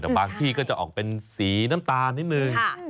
แต่บางที่ก็จะออกเป็นสีน้ำตาลนิดนึง